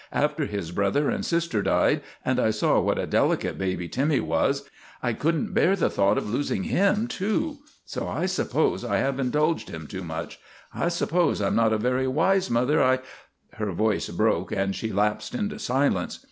After his brother and sister died, and I saw what a delicate baby Timmy was, I could n't bear the thought of losing him, too. So I suppose I have indulged him too much. I suppose I 'm not a very wise mother. I " Her voice broke and she lapsed into silence.